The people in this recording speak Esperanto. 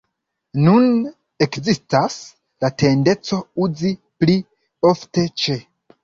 Nun ekzistas la tendenco uzi pli ofte "ĉe".